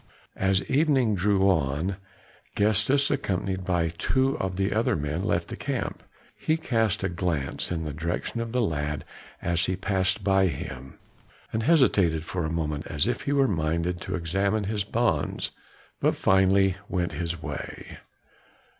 As evening drew on, Gestas accompanied by two of the other men left the camp; he cast a glance in the direction of the lad as he passed by him, and hesitated for a moment as if he were minded to examine his bonds, but finally went his way.